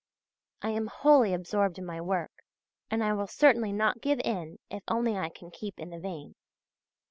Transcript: I am wholly absorbed in my work, and I will certainly not give in if only I can keep in the vein.